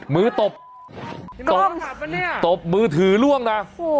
มือตบมือถือร่วมนะ